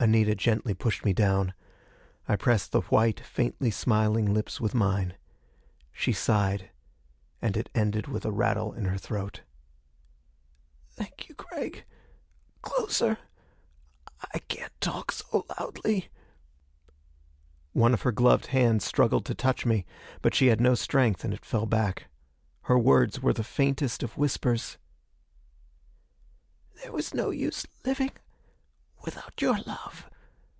Anita gently pushed me down. I pressed the white, faintly smiling lips with mine. She sighed, and it ended with a rattle in her throat. "Thank you Gregg closer I can't talk so loudly " One of her gloved hands struggled to touch me, but she had no strength and it fell back. Her words were the faintest of whispers: "There was no use living without your love.